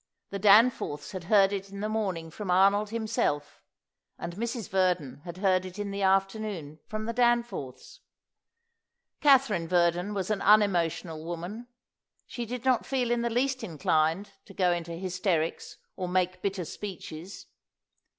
The Danforths had heard it in the morning from Arnold himself, and Mrs. Verdon had heard it in the afternoon from the Danforths. Katherine Verdon was an unemotional woman. She did not feel in the least inclined to go into hysterics or make bitter speeches. Mrs.